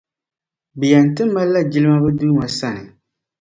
Bɛ yɛn ti malila jilma’bɛ Duuma sani.